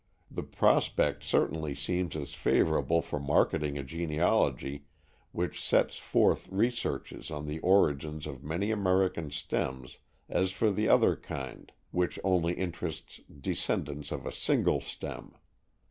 The prospect certainly seems as favorable for marketing a genealogy which sets forth researches on the origins of many American stems as for the other kind, which only interests descendants of a single stem.